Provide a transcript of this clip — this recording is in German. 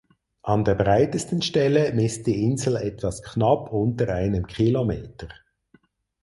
An der breitesten Stelle misst die Insel etwas knapp unter einem Kilometer.